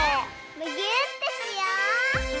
むぎゅーってしよう！